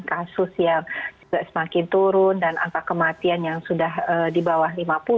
kasus yang juga semakin turun dan angka kematian yang sudah di bawah lima puluh